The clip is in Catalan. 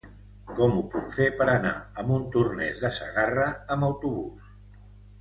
Com ho puc fer per anar a Montornès de Segarra amb autobús?